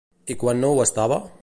I quan no ho estava?